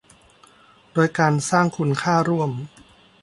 โดยการสร้างคุณค่าร่วม